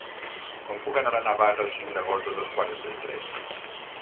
Com puc anar a Navàs el cinc d'agost a dos quarts de tres?